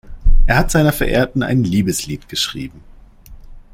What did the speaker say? Er hat seiner Verehrten ein Liebeslied geschrieben.